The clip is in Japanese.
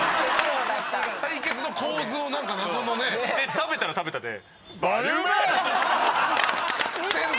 食べたら食べたで。